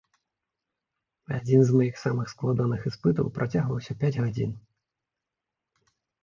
Адзін з маіх самых складаных іспытаў працягваўся пяць гадзін.